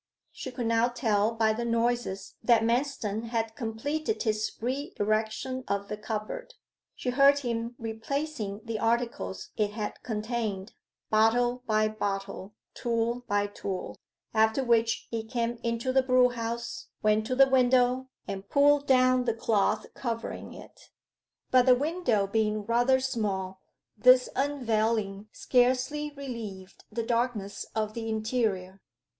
She could now tell by the noises that Manston had completed his re erection of the cupboard. She heard him replacing the articles it had contained bottle by bottle, tool by tool after which he came into the brewhouse, went to the window, and pulled down the cloths covering it; but the window being rather small, this unveiling scarcely relieved the darkness of the interior.